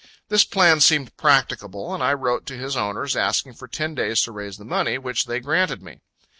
This plan seemed practicable, and I wrote to his owners, asking for ten days to raise the money; which they granted me.